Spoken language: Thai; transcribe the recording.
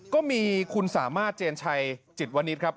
ก็มีคุณสามารถเจนชัยจิตวนิษฐ์ครับ